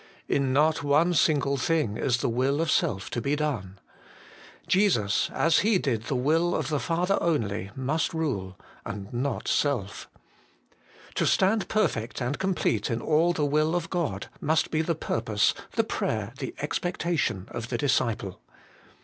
In not one single thing is the will of self to be done: Jesus, as He did the will of the Father only, must rule, and not self. To ' stand perfect and complete in all the will of God ' must be the purpose, the prayer, the expectation of the disciple.